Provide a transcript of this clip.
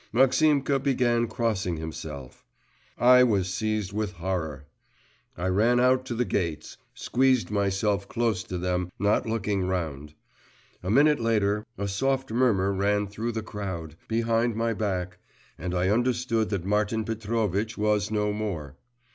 Maximka began crossing himself.… I was seized with horror; I ran out to the gates, squeezed myself close to them, not looking round. A minute later a soft murmur ran through the crowd, behind my back, and I understood that Martin Petrovitch was no more.